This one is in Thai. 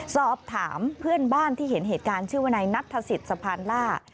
สอบถามเพื่อนบ้านที่เห็นเหตุการณ์ชื่อวนายนัทธศิษย์สะพานล่า